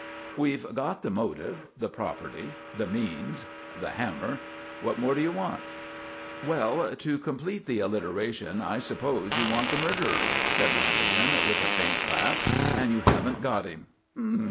"We've got the motive, the property; and the means, the hammer. What more do you want?" "Well, to complete the alliteration, I suppose you want the murderer," said Lanagan with a faint laugh. "And you haven't got him.